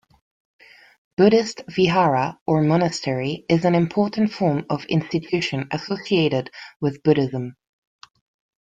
Buddhist Vihara or monastery is an important form of institution associated with Buddhism.